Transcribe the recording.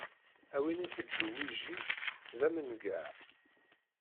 Ayen i teǧǧu wiji d ammen gaɛ.